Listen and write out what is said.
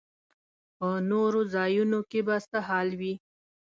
په نورو ځایونو کې به څه حال وي.